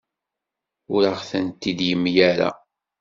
Ur aɣ-tent-id-yemla ara.